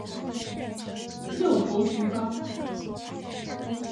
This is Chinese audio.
旧头足纲